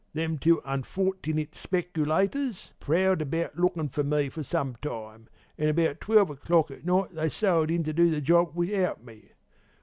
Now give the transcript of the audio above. Them two unfort'nit spec'lators prowled about lookin' for me for some time, an' about twelve o'clock at night they sailed in to do the job without me.